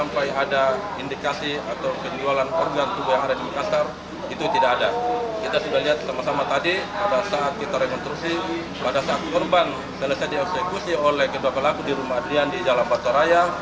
pada saat korban selesai dieksekusi oleh ketua pelaku di rumah adrian di jalan pataraya